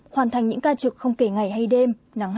hoàn thành những ca trực không kể ngày hay đêm